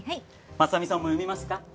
真実さんも読みますか？